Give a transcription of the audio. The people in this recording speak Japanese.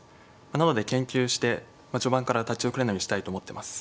なので研究して序盤から立ち遅れないようにしたいと思ってます。